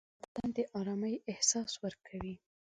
ورزش د بدن د ارامۍ احساس ورکوي.